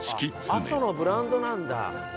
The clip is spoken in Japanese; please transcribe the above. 阿蘇のブランドなんだ。